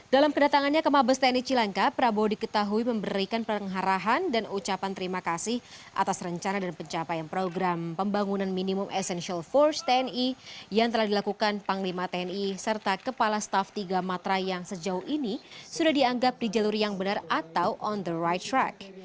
dalam kedatangannya ke mabes tni cilangkap prabowo diketahui memberikan pengarahan dan ucapan terima kasih atas rencana dan pencapaian program pembangunan minimum essential force tni yang telah dilakukan panglima tni serta kepala staf tiga matra yang sejauh ini sudah dianggap di jalur yang benar atau on the right track